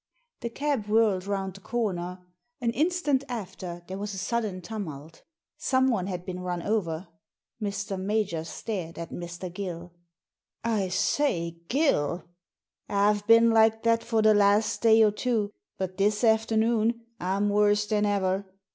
The cab whirled round the comer. An instant after there was a sudden tumult — someone had been run over. Mr. Major stared at Mr. GilL •'I say, GUI!" ''I've been like that for the last day or two, but this afternoon I'm worse than ever.